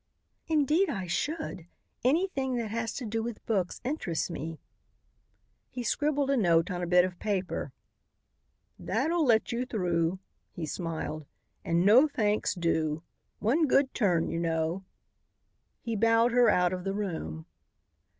"Indeed I should. Anything that has to do with books interests me." He scribbled a note on a bit of paper. "That'll let you through," he smiled, "and no thanks due. 'One good turn,' you know." He bowed her out of the room.